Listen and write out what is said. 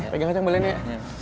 pegang aja yang beliinnya ya